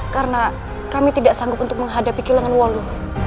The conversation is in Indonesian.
karena kami tidak sanggup untuk menghadapi kilangan wolu